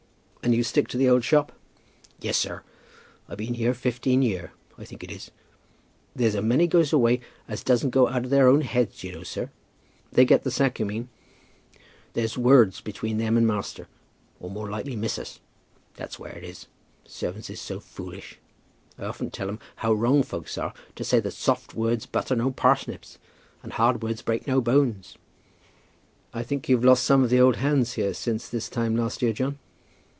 "And you stick to the old shop?" "Yes, sir; I've been here fifteen year, I think it is. There's a many goes away, as doesn't go out of their own heads, you know, sir." "They get the sack, you mean?" "There's words between them and master, or more likely, missus. That's where it is. Servants is so foolish. I often tell 'em how wrong folks are to say that soft words butter no parsnips, and hard words break no bones." "I think you've lost some of the old hands here since this time last year, John?"